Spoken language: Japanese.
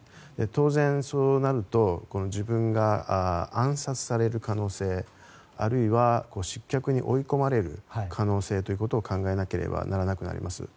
当然そうなると自分が暗殺される可能性あるいは失脚に追い込まれる可能性ということを考えなければならくなります。